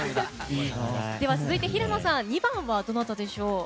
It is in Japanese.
続いて、平野さん２番はどなたでしょう？